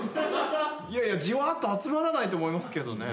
いやいやじわっと集まらないと思いますけどね。